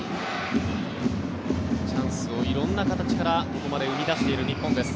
チャンスを色んな形からここまで生み出している日本です。